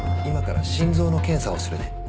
今から心臓の検査をするね。